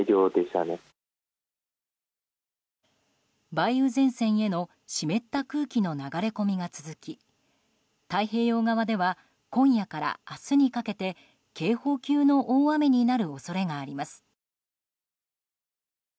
梅雨前線への湿った空気の流れ込みが続き太平洋側では今夜から明日にかけて警報級の大雨になる恐れがあります。